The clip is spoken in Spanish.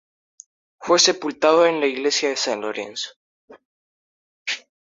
Fue sepultado en la iglesia de San Lorenzo.